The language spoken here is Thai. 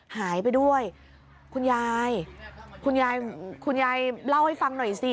หายไปด้วยคุณยายคุณยายเล่าให้ฟังหน่อยสิ